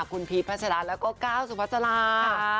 คุณพีชพัชราแล้วก็ก้าวสุพัชราค่ะ